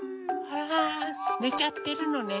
あらねちゃってるのね。